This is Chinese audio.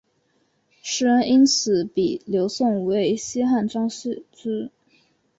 时人因此比刘颂为西汉张释之。